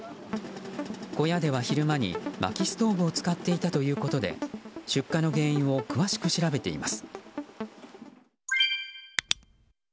小屋では昼間に、まきストーブを使っていたということで出火の原因を詳しく調べています。